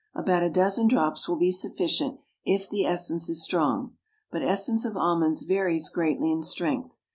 About a dozen drops will be sufficient if the essence is strong, but essence of almonds varies greatly in strength.